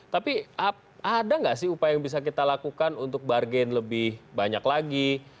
tapi ada nggak sih upaya yang bisa kita lakukan untuk bargain lebih banyak lagi